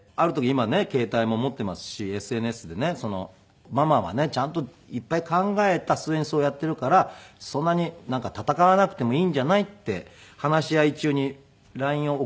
今ね携帯も持っていますしＳＮＳでね「ママはねちゃんといっぱい考えた末にそうやっているからそんなに戦わなくてもいいんじゃない？」って話し合い中にＬＩＮＥを送ったんですよ。